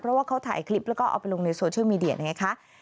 เพราะว่าเขาถ่ายคลิปแล้วก็เอาไปลงในโซเชียลมีเดียไงคะ